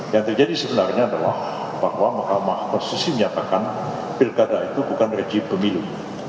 yang terjadi sebenarnya adalah bahwa mahkamah konstitusi menyatakan pilkada itu bukan rejim pemilu